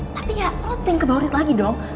tapi ya lo ting ke bau rit lagi dong